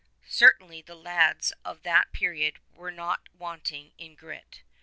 Certainly the lads of that period were not wanting in grit.